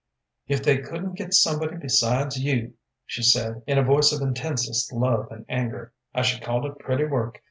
"If they couldn't get somebody besides you," she said, in a voice of intensest love and anger, "I should call it pretty work.